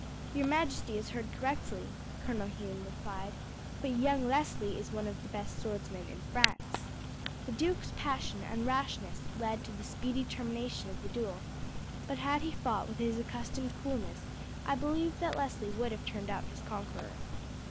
"Your majesty has heard correctly," Colonel Hume replied; "but young Leslie is one of the best swordsmen in France. The duke's passion and rashness led to the speedy termination of the duel; but had he fought with his accustomed coolness I believe that Leslie would have turned out his conqueror."